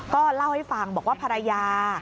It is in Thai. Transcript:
ก็เล่าให้ฟังบอกว่าภรรยา